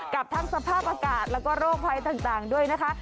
กับทั้งสภาพอากาศแล้วก็โรคภัยต่างด้วยนะคะ